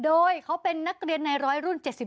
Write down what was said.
โดยเขาเป็นนักเรียนในร้อยรุ่น๗๒